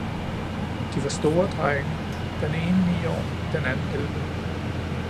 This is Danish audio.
De var store drenge, den ene ni år, den anden elve